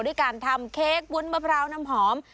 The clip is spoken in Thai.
ด้วยการทำเค้กวุ้นมะพร้าวน้ำหอม